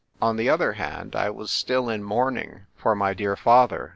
On the other hand, I was still in mourning for my dear father.